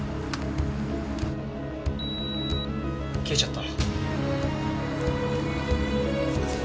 消えちゃった。